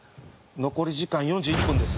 残り時間４１分です。